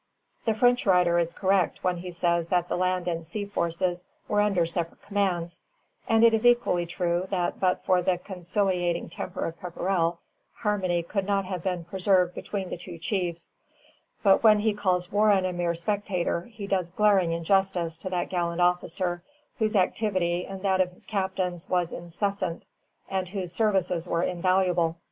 ] The French writer is correct when he says that the land and sea forces were under separate commands, and it is equally true that but for the conciliating temper of Pepperrell, harmony could not have been preserved between the two chiefs; but when he calls Warren a mere spectator, he does glaring injustice to that gallant officer, whose activity and that of his captains was incessant, and whose services were invaluable.